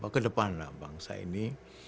kedepan lah bangsa ini